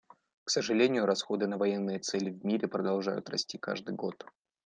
К сожалению, расходы на военные цели в мире продолжают расти каждый год.